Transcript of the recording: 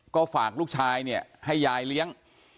ก็ฝากลูกชายให้ยายเลี้ยง